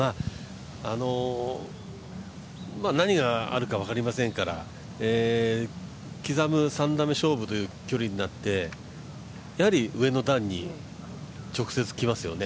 何があるか分かりませんから刻む３打目勝負という距離になってやはり上の段に直接来ますよね。